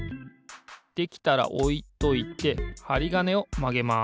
できたらおいといてはりがねをまげます。